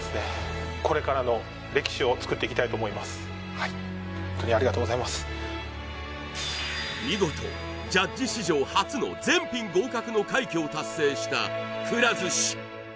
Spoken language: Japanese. はい見事ジャッジ史上初の全品合格の快挙を達成したくら寿司